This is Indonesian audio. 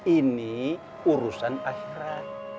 ini urusan akhirat